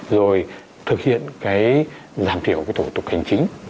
rồi thực hiện giảm thiểu tổ tục hành chính